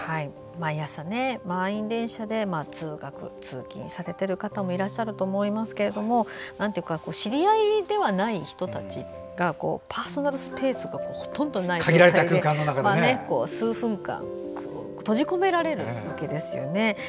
毎朝、満員電車で通学・通勤されている方もいらっしゃると思いますけども知り合いではない人たちがパーソナルスペースがほとんどない空間で数分間閉じ込められるわけですよね。